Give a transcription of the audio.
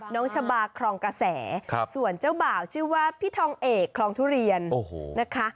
น้องชะบาครองกระแสส่วนเจ้าบ่าวชื่อว่าพี่ทองเอกครองทุเรียนนะคะ